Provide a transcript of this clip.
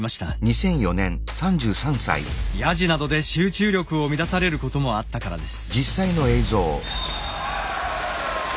ヤジなどで集中力を乱されることもあったからです。